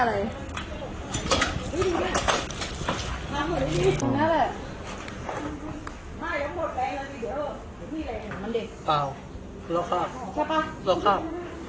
หลังจากน้ำสองก่อน